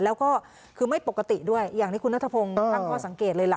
แล้วก็คือไม่ปกติด้วยอย่างที่คุณนัทพงศ์ตั้งข้อสังเกตเลยล่ะ